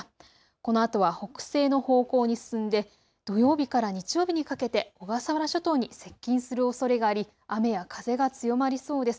このあとは北西の方向に進んで土曜日から日曜日にかけて小笠原諸島に接近するおそれがあり雨や風が強まりそうです。